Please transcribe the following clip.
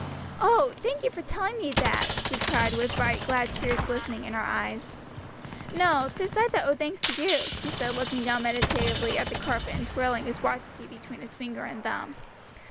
"Oh, thank you for telling me that!" she cried, with bright, glad tears glistening in her eyes. "No, 'tis I that owe thanks to you," he said, looking down meditatively at the carpet and twirling his watch key between his finger and thumb.